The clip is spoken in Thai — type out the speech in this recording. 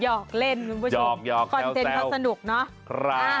หยอกเล่นคุณผู้ชมคอนเตนเพราะสนุกเนอะค่ะหยอกแซว